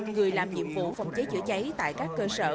một trăm linh người làm nhiệm vụ phòng cháy chữa cháy tại các cơ sở